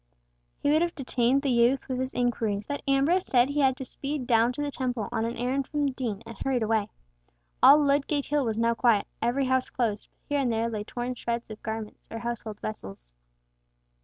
He would have detained the youth with his inquiries, but Ambrose said he had to speed down to the Temple on an errand from the Dean, and hurried away. All Ludgate Hill was now quiet, every house closed, but here and there lay torn shreds of garments, or household vessels.